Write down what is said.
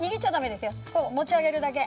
持ち上げるだけ。